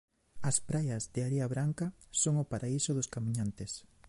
As praias de area branca son o paraíso dos camiñantes.